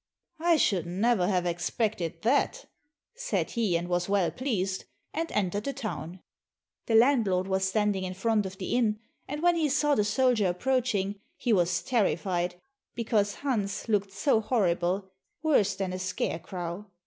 "I should never have expected that," said he, and was well pleased, and entered the town. The landlord was standing in front of the inn, and when he saw the soldier approaching, he was terrified, because Hans looked so horrible, worse than a scare crow.